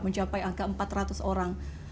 mencapai angka empat ratus orang